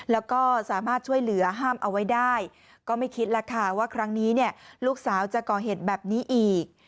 ห้ามเอาไว้ได้ก็ไม่คิดแหละค่ะว่าครั้งนี้ลูกสาวจะก่อเหตุแบบนี้อีก